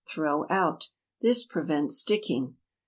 Throw out. This prevents sticking.